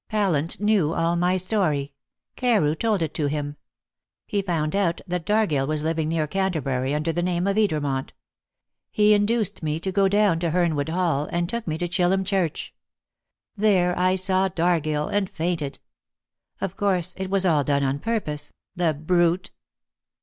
Pallant knew all my story. Carew told it to him. He found out that Dargill was living near Canterbury under the name of Edermont. He induced me to go down to Hernwood Hall, and took me to Chillum Church. There I saw Dargill, and fainted. Of course, it was all done on purpose the brute!"